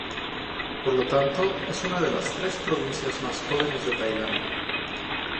Por lo tanto, es una de las tres provincias más jóvenes de Tailandia.